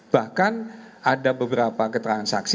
bahkan ada beberapa keterangan saksi